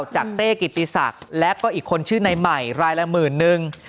เต้กิติศักดิ์และก็อีกคนชื่อในใหม่รายละหมื่นนึง